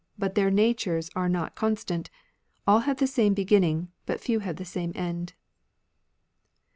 But their natures are not constant ; All have the same beginning. But few have the same end.